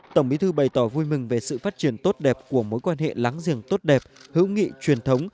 tổng bí thư bày tỏ vui mừng về sự phát triển tốt đẹp của mối quan hệ láng giềng tốt đẹp hữu nghị truyền thống